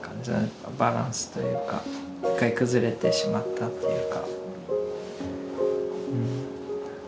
バランスというか一回崩れてしまったっていうか。